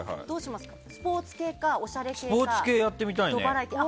スポーツ系か、おしゃれ系か。